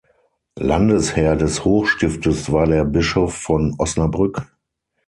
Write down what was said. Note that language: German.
Landesherr des Hochstiftes war der Bischof von Osnabrück.